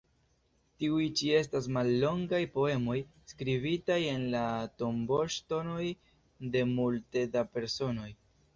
Tiuj ĉi estas mallongaj poemoj skribitaj en la tomboŝtonoj de multe da personoj.